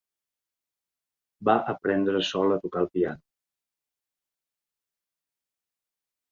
Va aprendre sol a tocar el piano.